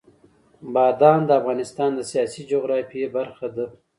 بادام د افغانستان د سیاسي جغرافیه برخه ده.